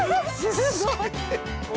すごい！